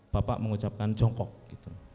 bapak mengucapkan jongkok gitu